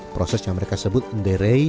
proses yang mereka sebut menderei